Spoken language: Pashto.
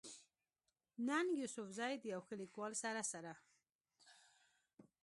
ننګ يوسفزۍ د يو ښه ليکوال سره سره